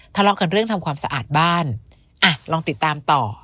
ทะเลาะกันเรื่องทำความสะอาดบ้านอ่ะลองติดตามต่อ